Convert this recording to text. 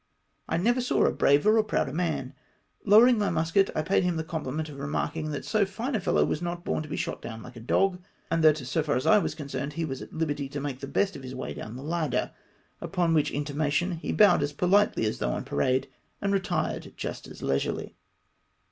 I never saw a braver or a prouder man. Lowering my musket, I paid him the comph ment of remarking, that so fine a fellow was not born to be shot down lilve a dog, and that, so far as I was concerned, he was at hberty to make the best of his way doAvn the ladder ; upon which intimation he bowed as pohtely as though on parade, and retired just as leisurely.